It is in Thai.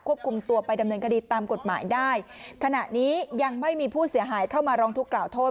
คุมตัวไปดำเนินคดีตามกฎหมายได้ขณะนี้ยังไม่มีผู้เสียหายเข้ามาร้องทุกขล่าโทษ